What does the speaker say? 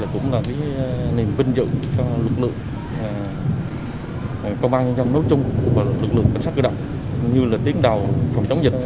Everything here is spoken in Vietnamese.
công an nhân dân đối chung và lực lượng cảnh sát cơ động như là tiến đầu phòng chống dịch